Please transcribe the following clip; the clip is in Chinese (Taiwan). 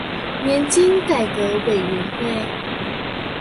年金改革委員會